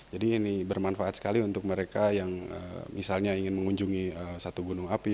jadi ini bermanfaat sekali untuk mereka yang misalnya ingin mengunjungi satu gunung api